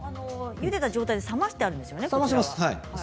ゆでた状態で冷ましてあるんですね。